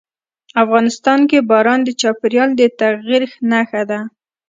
افغانستان کې باران د چاپېریال د تغیر نښه ده.